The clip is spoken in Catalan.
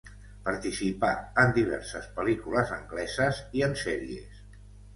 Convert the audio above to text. Participà en diverses pel·lícules angleses i en sèries.